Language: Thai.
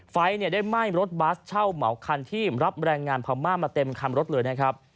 ไฟได้ไหม้รถบัสเช่าเหมาคันที่รับแรงงานพม่ามาเต็มคันรถเลยนะครับ